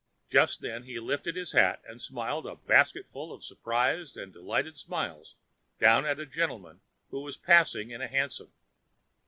Just then he lifted his hat and smiled a basketful of surprised and delighted smiles down at a gentleman who was passing in a hansom.